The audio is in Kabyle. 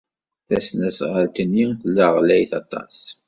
Tasnasɣalt-nni tella ɣlayet aṭas.